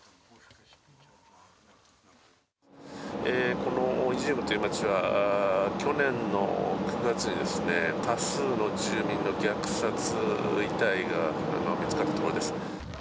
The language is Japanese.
このイジュームという町は、去年の９月に、多数の住民の虐殺遺体が見つかった所です。